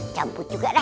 camput juga dah